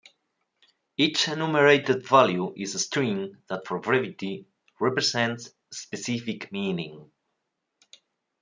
Each enumerated value is a string that for brevity represents a specific meaning.